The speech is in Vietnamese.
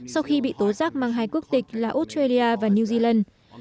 sau khi bị tố giác mang hai quốc tịch là australia và new zealand